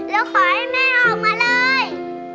แล้วขอให้แม่ออกมาเลย